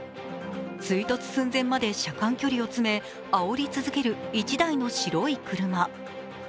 追突寸前まで車間距離を詰めあおり続ける１台の白い車。